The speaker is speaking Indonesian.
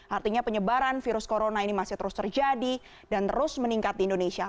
artinya penyebaran virus corona ini masih terus terjadi dan terus meningkat di indonesia